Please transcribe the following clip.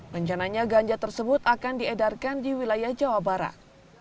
rencananya ganja tersebut akan diedarkan di wilayah jawa barat